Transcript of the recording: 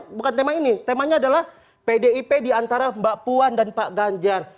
bukan tema ini temanya adalah pdip diantara mbak puan dan pak ganjar